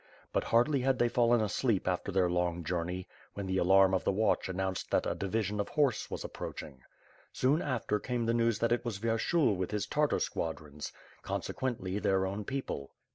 But, hardly had they fallen asleep after their long journey, when the alarm of the watch announced that a divi sion of horse was approaching. Soon after, came the news that it was Vyershul with his Tartar squadrons, consequently their own people.